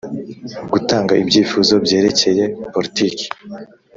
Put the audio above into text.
gutanga ibyifuzo byerekeye politiki